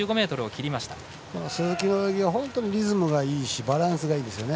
鈴木の泳ぎは本当にリズムがいいしバランスがいいですよね。